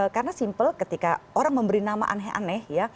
karena simple ketika orang memberi nama aneh aneh